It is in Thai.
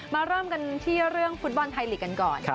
เริ่มกันที่เรื่องฟุตบอลไทยลีกกันก่อน